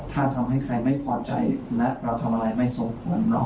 ถ้าทำให้ใครไม่พอใจนะเราทำอะไรไม่ส่งผล